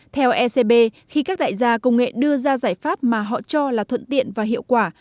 theo ecb khi các đại gia công nghệ đưa ra giải pháp mà họ cho là thuận tiện và hiệu quả